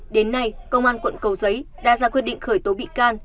đến nay công an quận cầu giấy đã ra quyết định khởi tố bị can